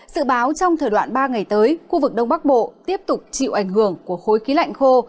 sự báo trong thời đoạn ba ngày tới khu vực đông bắc bộ tiếp tục chịu ảnh hưởng của khối khí lạnh khô